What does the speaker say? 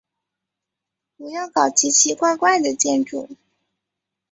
不要搞奇奇怪怪的建筑。